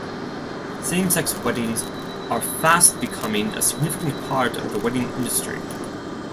Same-sex weddings are fast becoming a significant part of the wedding industry.